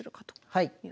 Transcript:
はい。